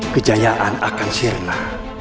kejayaan akan syirna